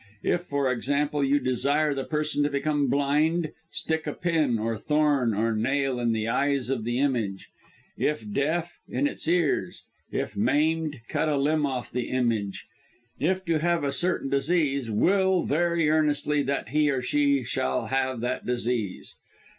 If, for example, you desire the person to become blind, stick a pin, or thorn, or nail in the eyes of the image; if deaf, in its ears; if maimed, cut a limb off the image; if to have a certain disease, will very earnestly that he or she shall have that disease.